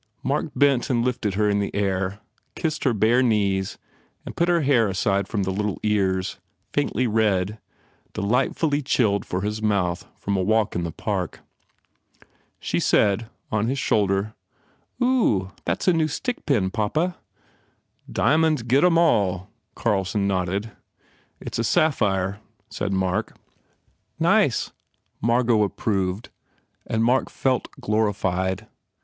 Mark bent and lifted her in the air, kissed her bare knees and put her hair aside from the little ears, faintly red, delightfully chilled for his mouth from a walk in the Park. She 80 PENALTIES said, on his shoulder, "Oo, that s a new stickpin, papa!" "Diamonds get em all," Carlson nodded. "It s a sapphire," said Mark. "Nice," Margot approved and Mark felt glorified.